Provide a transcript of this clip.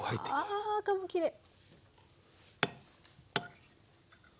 わあ赤もきれい！